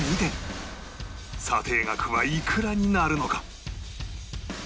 査定額はいくらになるのか？